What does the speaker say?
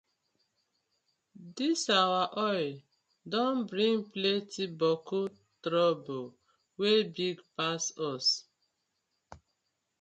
Dis our oil don bring plenti boku toruble wey big pass us.